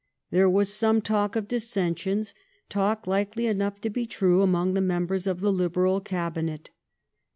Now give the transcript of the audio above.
There was some talk of dissensions, talk likely enough to be true, among the members of the Liberal Cabinet.